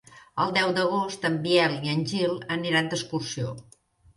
El deu d'agost en Biel i en Gil aniran d'excursió.